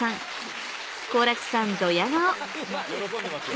喜んでますよ。